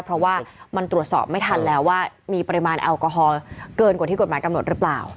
เพราะว่ามันตรวจสอบไม่ทันแล้วว่ามีปริมาณแอลกอฮอลเกินกว่าที่กฎหมายกำหนดหรือเปล่า